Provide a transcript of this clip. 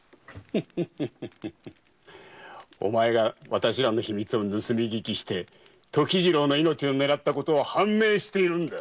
お前が私らの秘密を盗み聞きして時次郎の命を狙ったことは判明しているんだ。